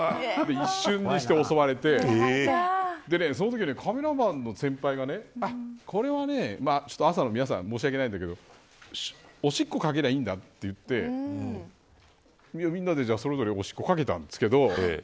一瞬にして襲われてそのときのカメラマンの先輩がこれは、朝の皆さん申し訳ないんだけどおしっこかければいいんだと言ってみんなでそれぞれおしっこかけたんですけど。